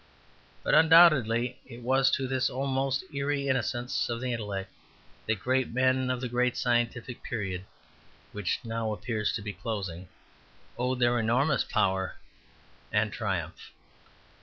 But undoubtedly it was to this almost eerie innocence of the intellect that the great men of the great scientific period, which now appears to be closing, owed their enormous power and triumph.